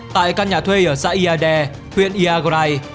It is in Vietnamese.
tại căn nhà thuê ở xã iade huyện iagorai